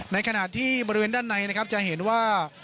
ในขณะที่บริเวณด้านในนะครับจะเห็นว่า